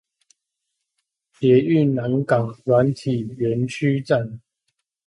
捷運南港軟體園區站